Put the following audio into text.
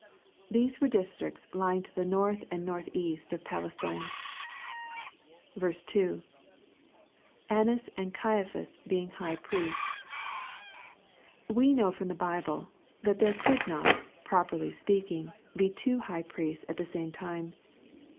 ] These were districts lying to the north and north east of Palestine. 2. — [Annas and OaiapJias heing high priests.] We know, from the Bible, that there could not, properly speaking, be two high priests at the same time.